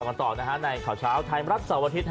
ก่อนต่อนะคะในข่าวเช้าไทยรัฐสวทธิศ